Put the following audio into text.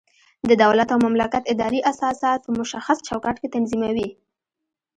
د دولت او مملکت ادارې اساسات په مشخص چوکاټ کې تنظیموي.